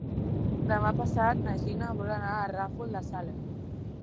Demà passat na Gina vol anar al Ràfol de Salem.